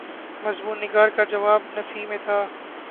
مضمون نگار کا جواب نفی میں تھا۔